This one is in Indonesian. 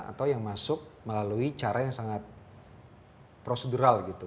atau yang masuk melalui cara yang sangat prosedural gitu